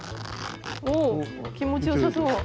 気持ちよさそう。